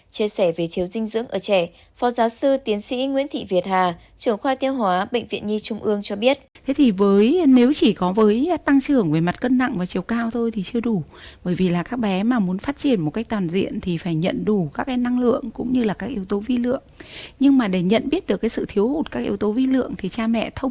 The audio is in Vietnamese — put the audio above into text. chia sẻ về thiếu dinh dưỡng ở trẻ phó giáo sư tiến sĩ nguyễn thị việt hà